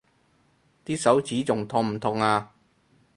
啲手指仲痛唔痛啊？